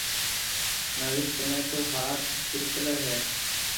نريش ڪنَي تو هات چرڪلَي هيَ۔